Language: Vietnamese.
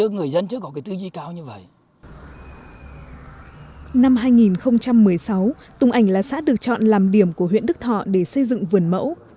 năm hai nghìn một mươi sáu tùng ảnh là xã được chọn làm điểm của huyện đức thọ để xây dựng vườn mẫu